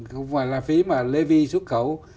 không phải là phí mà lê vi xuất khẩu